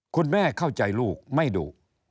คุณแม่เข้าใจลูกไม่ดู